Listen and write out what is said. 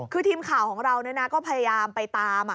คือทีมข่าวของเราก็พยายามไปตาม